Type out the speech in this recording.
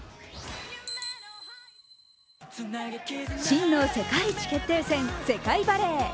真の世界一決定戦、世界バレー。